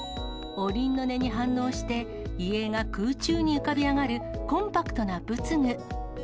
おりんの音に反応して、遺影が空中に浮かび上がる、コンパクトな仏具。